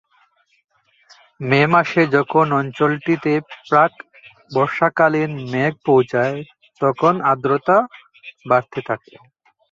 মে মাসে যখন অঞ্চলটিতে প্রাক-বর্ষাকালীন মেঘ পৌঁছায়, তখন আর্দ্রতা বাড়তে থাকে।